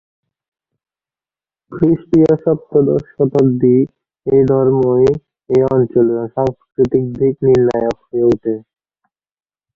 খ্রিষ্টীয় সপ্তদশ শতাব্দী এই ধর্মই এই অঞ্চলের সংস্কৃতির দিক-নির্ণায়ক হয়ে ওঠে।